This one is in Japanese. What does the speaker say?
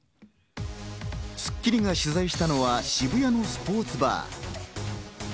『スッキリ』が取材したのは渋谷のスポーツバー。